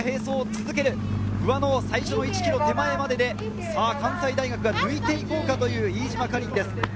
いや、ここは並走を続ける不破の最初の１ｋｍ手前までで関西大学が抜いていこうかという飯島果琳です。